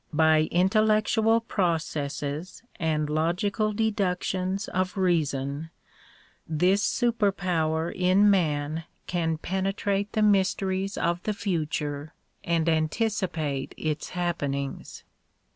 By intellectual processes and logical deductions of reason, this super power in DISCOURSES DELIVERED IN WASHINGTON 47 man can penetrate the mysteries of the future and anticipate its happenings.